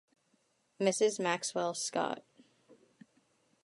Mrs Maxwell Scott.